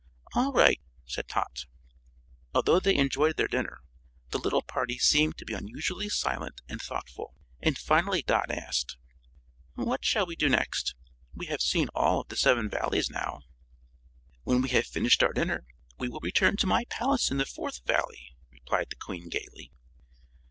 "All right," said Tot. Although they enjoyed their dinner, the little party seemed to be unusually silent and thoughtful, and finally Dot asked: "What shall we do next? We have seen all of the Seven Valleys now." "When we have finished our dinner we will return to my palace in the Fourth Valley," replied the Queen, gaily.